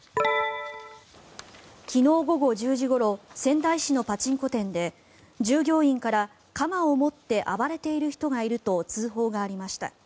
昨日午後１０時ごろ仙台市のパチンコ店で従業員から鎌を持って暴れている人がいると通報がありました。